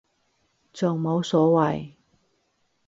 仲冇所謂